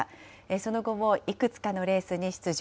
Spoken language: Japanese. その後もいくつかのレースに出場。